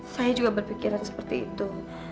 saya juga berpikiran seperti itu